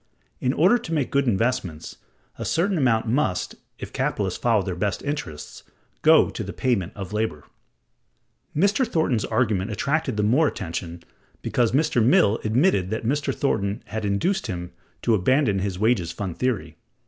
In order to make good investments, a certain amount must, if capitalists follow their best interests, go to the payment of labor.(162) Mr. Thornton's argument attracted the more attention because Mr. Mill(163) admitted that Mr. Thornton had induced him to abandon his Wages Fund Theory.